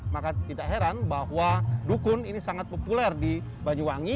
maka tidak heran bahwa dukun ini sangat populer di banyuwangi